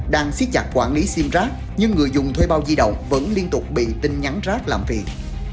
đang xiết chặt quản lý sim rác nhưng người dùng thuê bao di động vẫn liên tục bị tin nhắn rác làm việc